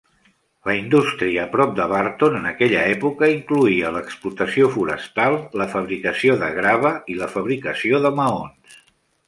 La indústria prop de Burton en aquella època incloïa l'explotació forestal, la fabricació de grava i la fabricació de maons.